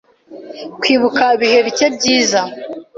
Kwibuka ibihe bike byiza